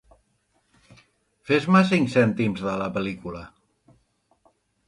Fes-me cinc cèntims de la pel·lícula.